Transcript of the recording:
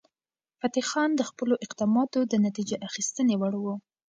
فتح خان د خپلو اقداماتو د نتیجه اخیستنې وړ و.